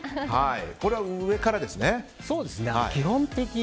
これは上からですね。